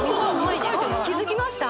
気づきました？